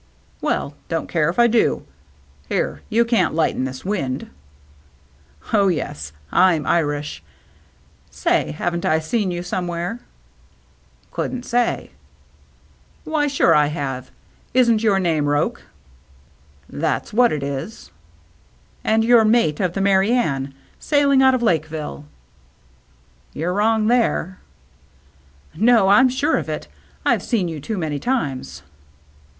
" Well, don't care 'f I do. Here, you can't light in this wind." " Oh, yes, I'm Irish. Say, haven't I seen you somewhere ?"" Couldn't say." " Why, sure I have. Isn't your name Roche?" " That's what it is." THE RED SEAL LABEL 149 " And you're mate of the Merry AnnCy sail ing out of Lakeville ?" "You're wrong there/* " No, I'm sure of it. I've seen you too many times."